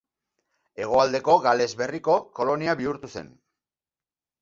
Hegoaldeko Gales Berriko kolonia bihurtu zen.